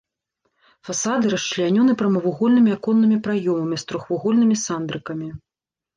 Фасады расчлянёны прамавугольнымі аконнымі праёмамі з трохвугольнымі сандрыкамі.